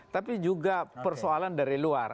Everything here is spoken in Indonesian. tapi juga persoalan dari luar